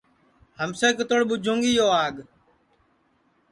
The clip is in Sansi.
ہمسیے کِتوڑ ٻُوجھوں گی یو آگ